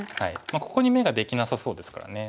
ここに眼ができなさそうですからね。